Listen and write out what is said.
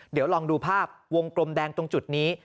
เดี๋ยวลองดูภาพวงกลมแดงตรงจุดนี้